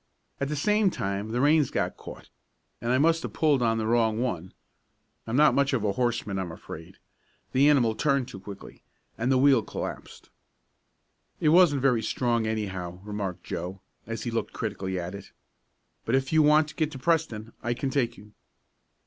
At the same time the reins got caught, and I must have pulled on the wrong one. I'm not much of a horseman, I'm afraid. The animal turned too quickly, and the wheel collapsed." "It wasn't very strong, anyhow," remarked Joe, as he looked critically at it. "But if you want to get to Preston I can take you."